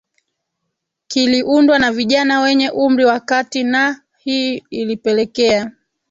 kiliundwa na vijana wenye umri wa kati nah ii ilipelekea